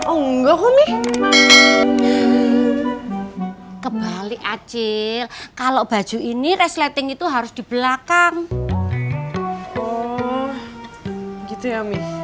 enggak nih kembali acil kalau baju ini resleting itu harus di belakang oh gitu ya